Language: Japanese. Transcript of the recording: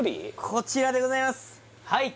こちらでございますはい！